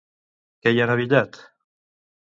Què hi han abillat?